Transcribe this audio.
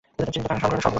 তিনি তা গ্রহণে অসম্মত হন।